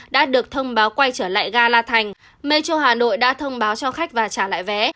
đã được thông báo quay trở lại ga la thành metro hà nội đã thông báo cho khách và trả lại vé